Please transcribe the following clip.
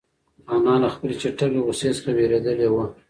انا له خپلې چټکې غوسې څخه وېرېدلې وه.